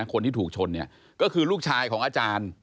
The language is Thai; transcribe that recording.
คนที่ถูกชนเนี่ยก็คือลูกชายของอาจารย์